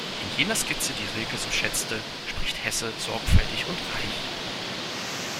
In jener Skizze, die Rilke so schätzte, spricht Hesse „sorgfältig und reich“.